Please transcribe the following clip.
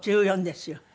１４ですよ。